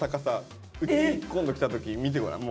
うちに今度来た時見てごらん。